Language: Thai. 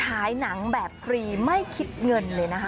ฉายหนังแบบฟรีไม่คิดเงินเลยนะคะ